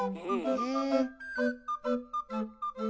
へえ。